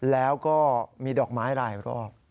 แล้วก็มีดอกไม้หลายรอบ